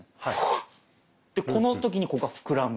この時にここが膨らむ。